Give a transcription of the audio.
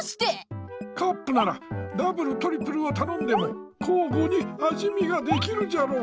カップならダブルトリプルをたのんでもこうごにあじ見ができるじゃろう。